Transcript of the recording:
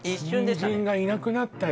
人参がいなくなったよ